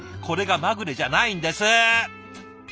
これがまぐれじゃないんです。